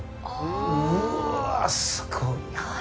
うわっすごいな。